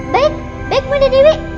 baik baik bunda dewi